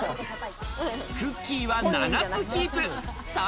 クッキーは７つキープ。